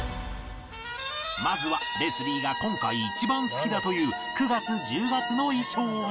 まずはレスリーが今回一番好きだという９月１０月の衣装に